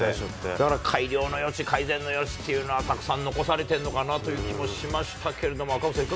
だから改良の余地、改善の余地というのは、たくさん残されてるのかなっていう気もしましたけれども、赤星さ